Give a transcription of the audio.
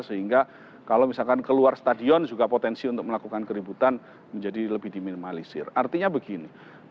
sehingga kalau misalkan keluar stadion juga potensi untuk melakukan keributan menjadi lebih diminimalisir artinya begini